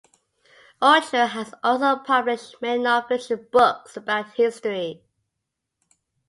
Utrio has also published many non-fiction books about history.